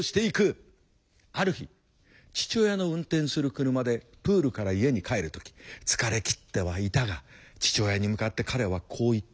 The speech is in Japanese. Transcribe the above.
ある日父親の運転する車でプールから家に帰る時疲れきってはいたが父親に向かって彼はこう言った。